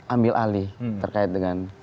ambil alih terkait dengan